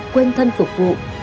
quên thân phục vụ